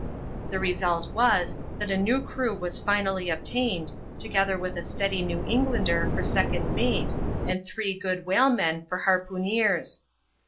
The result was, that a new crew was finally obtained, togeUier with a steady New Englander for second mate, and three good whalemen for harpooneers.